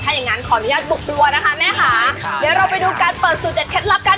อย่างงั้นขออนุญาตบุกดูนะคะแม่ค่ะเดี๋ยวเราไปดูการเปิดสูตรเด็ดเคล็ดลับกัน